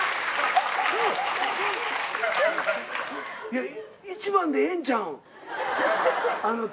いや一番でええんちゃうん？